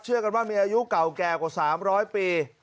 กันว่ามีอายุเก่าแก่กว่า๓๐๐ปี